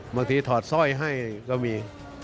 บางทีถอดสร้อยให้ก็มี